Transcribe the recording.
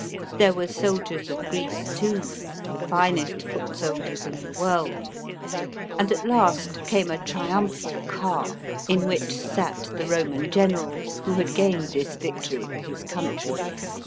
There were soldiers of Greece too, the finest foot soldiers in the world ; and* at last came a triumphal car, in which sat the Roman general, who 158 SICILY. [B.C. 274, had gained this victory for his country.